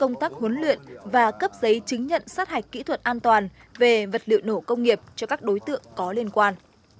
công tác huấn luyện và cấp giấy chứng nhận sát hạch kỹ thuật an toàn về vật liệu nổ công nghiệp cho các đối tượng có liên quan